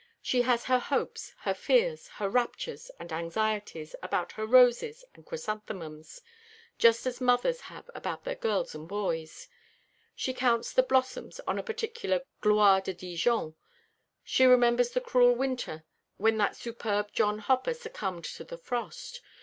She has her hopes, her fears, her raptures and anxieties about her roses and chrysanthemums, just as mothers have about their girls and boys. She counts the blossoms on a particular Gloire de Dijon. She remembers the cruel winter when that superb John Hopper succumbed to the frost.